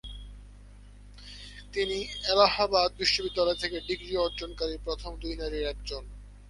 তিনি এলাহাবাদ বিশ্ববিদ্যালয় থেকে ডিগ্রি অর্জন কারী প্রথম দুই নারীর একজন।